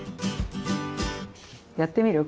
やってみる？